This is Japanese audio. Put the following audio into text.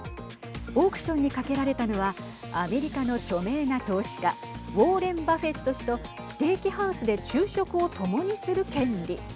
オークションにかけられたのはアメリカの著名な投資家ウォーレン・バフェット氏とステーキハウスで昼食を共にする権利。